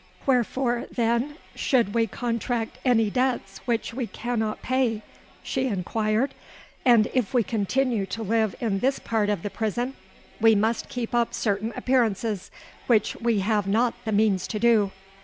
'Wherefore, then, should we contract any debts which we cannot pay?' she enquired; 'and if we continue to live in this part of the prison we must keep up certain appearances, which we have not the means to do.'